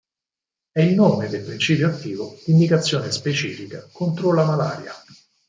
È il nome del principio attivo di indicazione specifica contro la malaria.